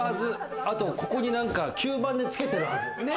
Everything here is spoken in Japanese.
ここに吸盤でつけてるはず。